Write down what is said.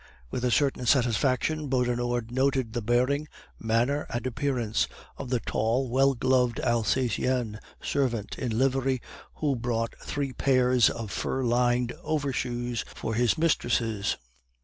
With a certain satisfaction Beaudenord noted the bearing, manner, and appearance, of the tall well gloved Alsacien servant in livery who brought three pairs of fur lined overshoes for his mistresses.